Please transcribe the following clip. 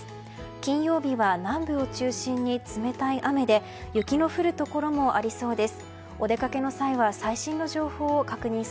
金曜日は南部を中心に冷たい雨で雪の降るところもありそうです。